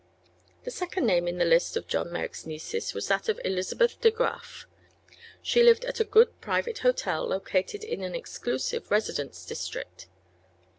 The second name in the list of John Merrick's nieces was that of Elizabeth De Graf. She lived at a good private hotel located in an exclusive residence district.